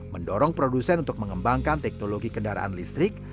mendorong produsen untuk mengembangkan teknologi kendaraan listrik